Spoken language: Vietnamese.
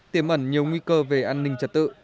tiềm ẩn nhiều nguy cơ về an ninh trật tự